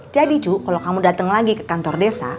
jadi cu kalo kamu dateng lagi ke kantor desa